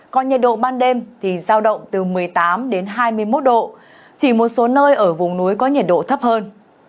còn nhiệt độ ban đêm thì giao động từ một mươi tám đến hai mươi một độ chỉ một số nơi ở vùng núi có nhiệt độ thấp hơn